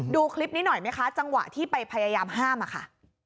ดูคลิปนี้หน่อยไหมคะจังหวะที่ไปพยายามห้ามอะค่ะ